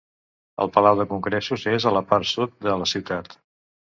El palau de Congressos és a la part sud de la ciutat.